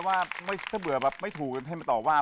ถ้าเบื่อไม่ถูกก็ให้มันต่อว่า